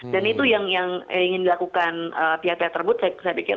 dan itu yang ingin dilakukan pihak pihak terbut saya pikir